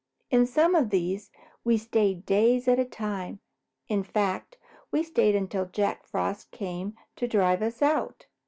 In some of these we stayed days at a time. In fact, we stayed until Jack Frost came to drive us out.